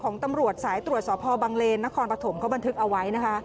ตำรวจสายตรวจสอบพอบังเลนนครปฐมเขาบันทึกเอาไว้นะคะ